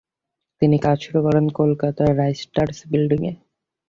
তিনি কাজ শুরু করেন কলকাতার রাইটার্স বিল্ডিংয়ে।